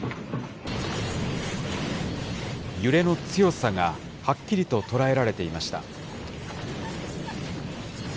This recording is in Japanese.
揺れの強さがはっきりと捉えられていました。